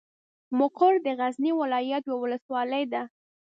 مقر د غزني ولايت یوه ولسوالۍ ده.